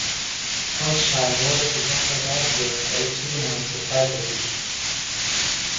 آن شلوار کوتاه را دربیار و یک چیز مناسبتر بپوش!